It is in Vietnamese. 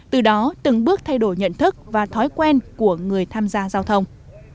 từ đó từng bước thay đổi nhận thức và thói quen của người tham gia giao thông